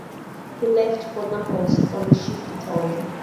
He left from Naples on the ship "Italia".